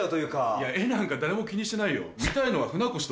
いや画なんか誰も気にしてないよ。